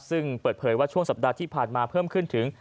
ซึ่งเปิดเผยว่าช่วงสัปดาห์ที่ผ่านมาเพิ่มขึ้นถึง